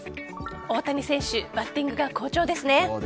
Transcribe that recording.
大谷選手バッティングが好調ですね。